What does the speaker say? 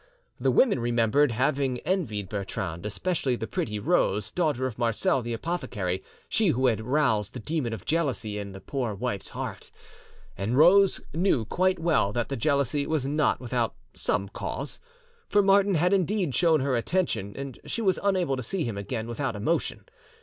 The women remembered having envied Bertrande, especially the pretty Rose, daughter of Marcel, the apothecary, she who had roused the demon of jealousy in, the poor wife's heart. And Rose knew quite well that the jealousy was not without some cause; for Martin had indeed shown her attention, and she was unable to see him again without emotion.